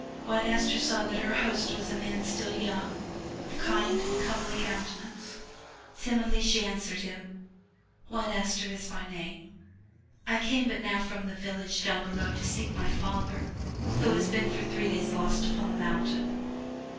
'' White Aster saw that her host was a man still young, of kind and comely countenance. Timidly she answered him: "White Aster is my name. I came but now from the village down below to seek my father, who has been for three days lost upon the mountain."